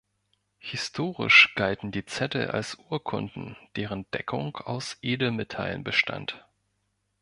Historisch galten die Zettel als Urkunden, deren Deckung aus Edelmetallen bestand.